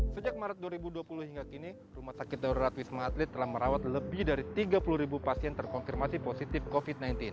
sejak maret dua ribu dua puluh hingga kini rumah sakit darurat wisma atlet telah merawat lebih dari tiga puluh ribu pasien terkonfirmasi positif covid sembilan belas